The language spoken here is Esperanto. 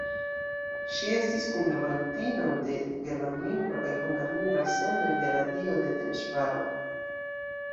Ŝi estis kunlaborantino de germanlingva kaj hungarlingva elsendoj de radio de Temeŝvaro.